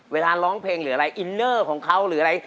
ร้องเพลงหรืออะไรอินเนอร์ของเขาหรืออะไร